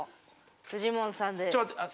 フジモンさんで。